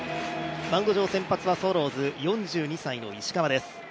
マウンド上、先発はスワローズ４２歳の石川です。